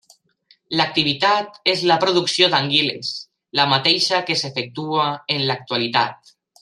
L'activitat és la producció d'anguiles, la mateixa que s'efectua en l'actualitat.